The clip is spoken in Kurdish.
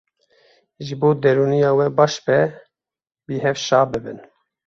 Ji bo derûniya we baş be, bi hev şa bibin.